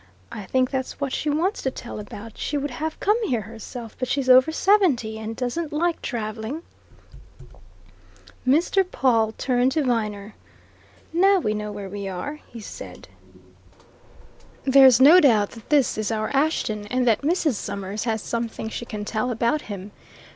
"I think that's what she wants to tell about. She would have come here herself, but she's over seventy and doesn't like travelling." Mr. Pawle turned to Viner. "Now we know where we are," he said. "There's no doubt that this is our Ashton, and that Mrs. Summers has something she can tell about him.